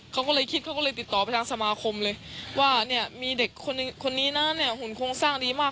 เขาก็เลยคิดเขาก็เลยติดต่อไปทางสมาคมเลยว่าเนี่ยมีเด็กคนนี้นะเนี่ยหุ่นโครงสร้างดีมาก